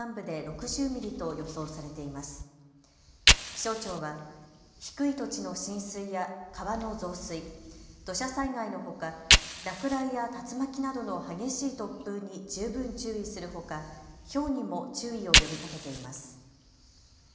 気象庁は低い土地の浸水や川の増水、土砂災害のほか落雷や竜巻などの激しい突風に十分注意するほかひょうにも注意を呼びかけています。